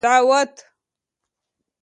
دعوت